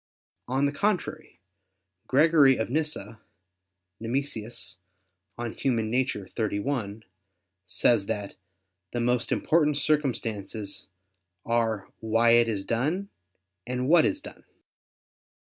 On the contrary, Gregory of Nyssa [*Nemesius, De Nat. Hom. xxxi.] says that "the most important circumstances" are "why it is done" and "what is done."